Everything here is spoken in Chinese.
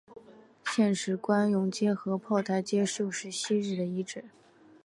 现时官涌街和炮台街就是昔日的遗址。